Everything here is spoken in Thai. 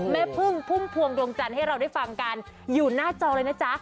แม่พึ่งพุ่มพวงดวงจันทร์ให้เราได้ฟังกันอยู่หน้าจอเลยนะจ๊ะ